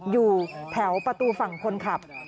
อยู่แถวประตูฝั่งคนขับ